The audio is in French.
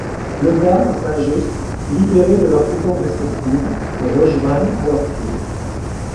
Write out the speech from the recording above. Le Bas et Saint-Just, libérés de leurs prisons respectives, le rejoignent à leur tour.